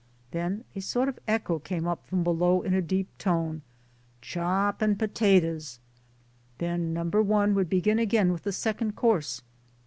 Then a sort of echo came up from below in a deep tone " Chop and potatoes." Then No. i would begin again with the second course.